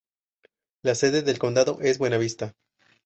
La sede del condado es Buena Vista.